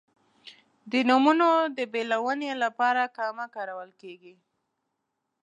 د نومونو د بېلونې لپاره کامه کارول کیږي.